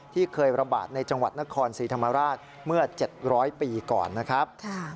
ที่เคยระบาดในจังหวัดนครศรีธรรมราชเมื่อ๗๐๐ปีก่อนนะครับ